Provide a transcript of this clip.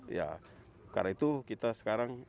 ya karena itu kita sekarang